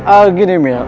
ah gini mil